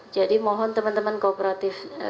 jadi mohon teman teman kooperatif